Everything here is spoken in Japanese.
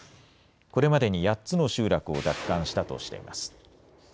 これまでに８つの集落を奪還したとしています。